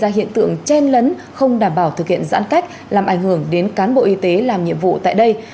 hiện tượng chen lấn không đảm bảo thực hiện giãn cách làm ảnh hưởng đến cán bộ y tế làm nhiệm vụ tại đây